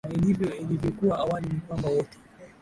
na ilivyo ilivyokuwa awali ni kwamba wote